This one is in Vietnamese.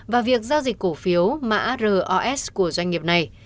và việc giao dịch cổ phiếu mã ros của doanh nghiệp này